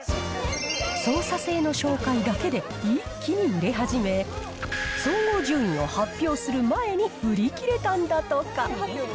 操作性の紹介だけで一気に売れ始め、総合順位を発表する前に売り切れたんだとか。